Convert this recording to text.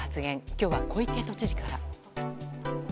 今日は小池都知事から。